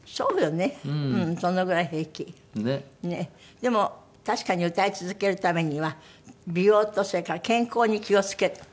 でも確かに歌い続けるためには美容とそれから健康に気を付けてる。